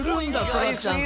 そらちゃん